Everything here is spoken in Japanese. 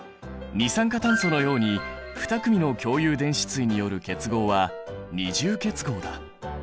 二酸化炭素のように２組の共有電子対による結合は二重結合だ。